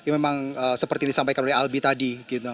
memang seperti disampaikan oleh albi tadi